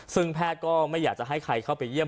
ซึ่งแพทย์ก็ไม่อยากจะให้ใครเข้าไปเยี่ยม